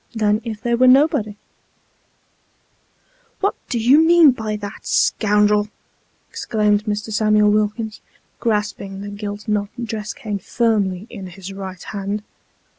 than if they was nobody !" What do you mean by that, scoundrel ?" exclaimed Mr. Samuel Wilkins, grasping the gilt knobbed dress cane firmly in his right hand.